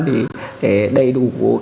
để đầy đủ hồ sơ học bạ cho các bạn